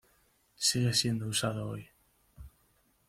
Sigue siendo usado hoy.